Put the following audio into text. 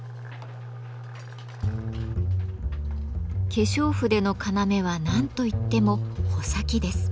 化粧筆の要は何と言っても「穂先」です。